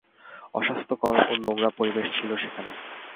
অস্বাস্থ্যকর ও নোংরা পরিবেশ ছিল সেখানে।